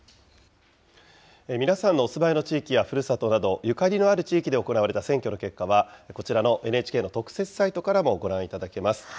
皆さんのお住まいの地域やふるさとなどゆかりのある地域で行われた選挙の結果は、こちらのＮＨＫの特設サイトからもご覧いただけます。